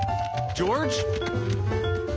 ジョージ！